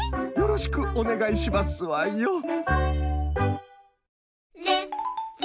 よろしくおねがいしますわよ！